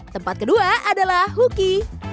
tempat kedua adalah huky